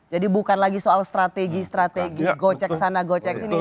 jadi bukan lagi soal strategi strategi go cek sana go cek sini